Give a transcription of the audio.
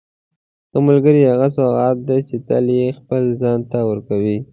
ښه ملګری هغه سوغات دی چې ته یې خپل ځان ته ورکوې.